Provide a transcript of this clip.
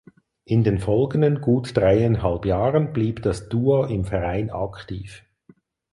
In den folgenden gut dreieinhalb Jahren blieb das Duo im Verein aktiv.